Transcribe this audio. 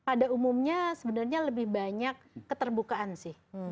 tapi pada pada umumnya sebenarnya lebih banyak keterbukaan sih